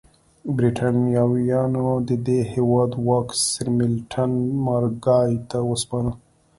برېټانویانو د دې هېواد واک سرمیلټن مارګای ته وسپاره.